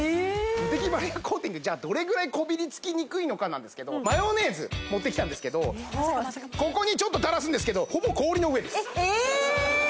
ムテキバリアコーティングじゃあどれぐらいこびりつきにくいのか持ってきたんですけどここにちょっと垂らすんですけどほぼ氷の上ですえーっ！